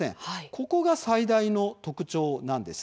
ここが最大の特徴なんです。